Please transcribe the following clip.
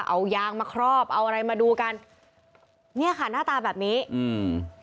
เอายางมาครอบเอาอะไรมาดูกันเนี่ยค่ะหน้าตาแบบนี้อืม